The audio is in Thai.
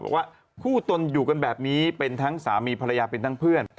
ว่าคู่ตนอยู่กันแบบนี้เป็นทั้งสามีภรรยาเป็นทั้งเพื่อน